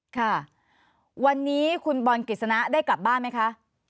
ค่ะวันนี้คุณบอลกฤษณะได้กลับบ้านไหมคะ